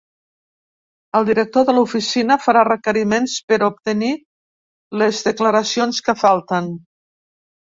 El director de l’oficina farà requeriments per obtenir les declaracions que falten.